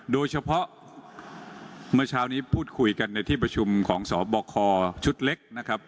โดยเฉพาะเมื่อเช้านี้พูดคุยกันในที่ประชุมของสบคชุดเล็กนะครับ